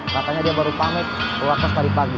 katanya dia baru pamit keluar kos tadi pagi